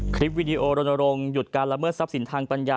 คลิปวิดีโอลงหยุดการละเมิดทรัพย์สินทางปัญญา